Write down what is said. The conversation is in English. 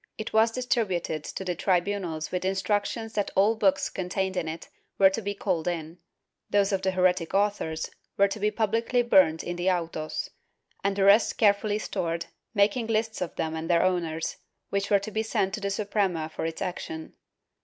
It was distributed to the tribunals with instructions that all books contained in it were to be called in; those of heretic authors were to be pubhcly burnt in the autos, and the rest carefully stored, making lists of them and of their owners, which were to be sent to the Suprema for its action.